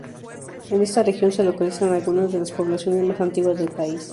En esta región se localizan algunas de las poblaciones más antiguas del país.